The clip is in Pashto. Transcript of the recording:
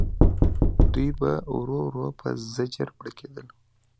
دوی به ورو ورو په زجر مړه کېدل.